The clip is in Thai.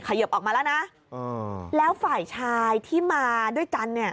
เยิบออกมาแล้วนะแล้วฝ่ายชายที่มาด้วยกันเนี่ย